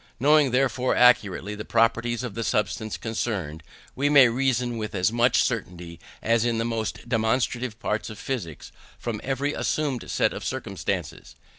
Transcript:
Knowing therefore accurately the properties of the substances concerned, we may reason with as much certainty as in the most demonstrative parts of physics from any assumed set of circumstances.